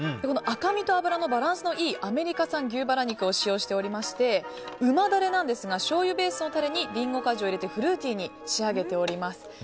この赤身と脂のバランスのいいアメリカ産牛バラ肉を使用しておりまして旨だれはしょうゆベースのタレにリンゴ果汁を入れてフルーティーに仕上げております。